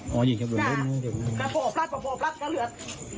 ตอนนี้แแต่ต้องโปะไม้อ่าไงกำลังเที่ยว